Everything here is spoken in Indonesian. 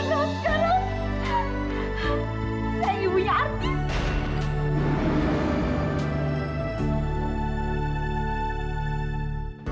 saya ibunya artis